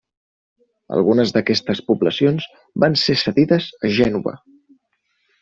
Algunes d'aquestes poblacions van ser cedides a Gènova.